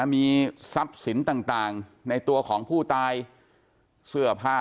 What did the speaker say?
มีทรัพย์สินต่างในตัวของผู้ตายเสื้อผ้า